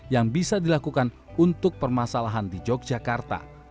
yang bisa dilakukan untuk permasalahan di yogyakarta